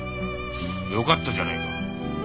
よかったじゃねえか。